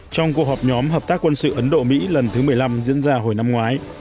trong cuộc họp nhóm hợp tác quân sự ấn độ mỹ lần thứ một mươi năm diễn ra hồi năm ngoái